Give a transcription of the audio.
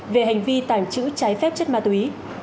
về hành vi tản chữ trái phép chất ma túy